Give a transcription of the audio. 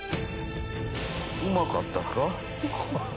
うまかったか？